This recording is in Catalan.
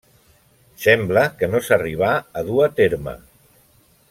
Sembla que no s'arribà a dur a terme.